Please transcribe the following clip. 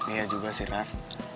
iya juga sih rev